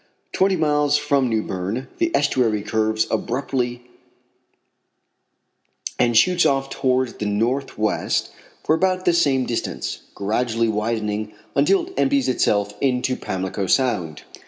Twenty miles from New Berne the estuary curves abruptly and shoots off towards the northwest for about the same distance, gradually widening until it empties itself into Pamlico Sound.